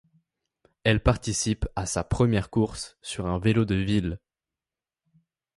Elle participe à sa première course sur un vélo de ville.